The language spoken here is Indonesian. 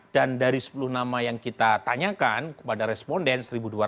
dan dari sepuluh nama yang kita tanyakan kepada responden